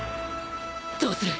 どうする？